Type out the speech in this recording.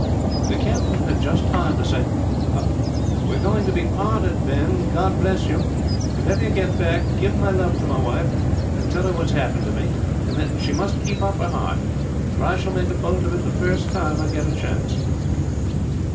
"The captain had just time to say, 'We are going to be parted, Ben. God bless you! If ever you get back, give my love to my wife, and tell her what has happened to me, and that she must keep up her heart, for I shall make a bolt of it the first time I get a chance.'